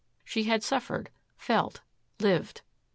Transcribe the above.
She had suffered, felt, lived.